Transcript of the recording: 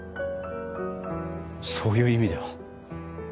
そういう意味では。